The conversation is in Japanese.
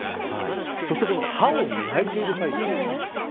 そして、歯を磨いている最中。